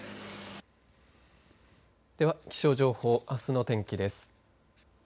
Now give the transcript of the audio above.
では、気象情報あすの天気です。